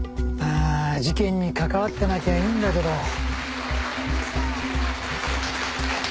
まあ事件に関わってなきゃいいんだけど。